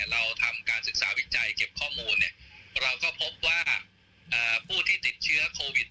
เราทำการศึกษาวิจัยเก็บข้อมูลเราก็พบว่าผู้ที่ติดเชื้อโควิด